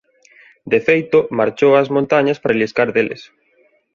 De feito, marchou ás montañas para liscar deles.